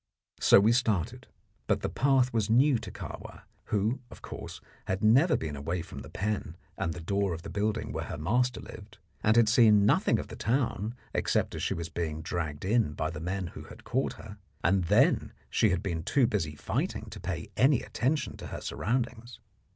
So we started, but the path was new to Kahwa, who, of course, had never been away from the pen and the door of the building where her master lived, and had seen nothing of the town except as she was being dragged in by the men who had caught her, and then she had been too busy fighting to pay any attention to her surroundings.